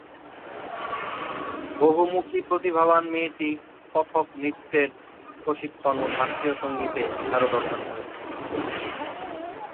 বহুমুখী প্রতিভাবান মেয়েটি কথক নৃত্যের প্রশিক্ষণ ও শাস্ত্রীয় সঙ্গীতে বিশারদ অর্জন করেছেন।